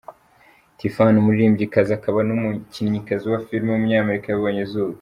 Tiffany, umuririmbyikazi, akaba n’umukinnyikazi wa film w’umunyamerika yabonye izuba.